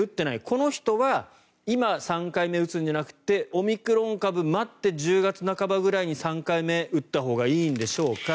この人は今、３回目を打つんじゃなくてオミクロン株を待って１０月半ばぐらいに、３回目打ったほうがいいのでしょうか。